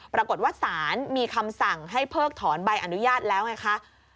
ปรากฏว่าศาลมีคำสั่งให้เพิกถอนใบอนุญาตแล้วไงคะ